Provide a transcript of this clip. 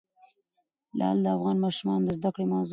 لعل د افغان ماشومانو د زده کړې موضوع ده.